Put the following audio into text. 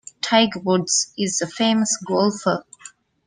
Tiger Woods is a famous golfer.